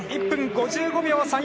１分５５秒３４。